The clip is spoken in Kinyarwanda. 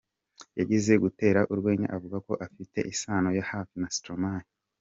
Yigeze gutera urwenya avuga ko afitanye isano ya hafi na Stromae.